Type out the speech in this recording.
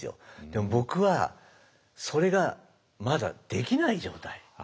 でも僕はそれがまだできない状態。